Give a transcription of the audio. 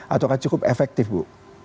atau cukup efektif ibu